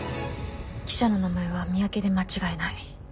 記者の名前は三宅で間違いない。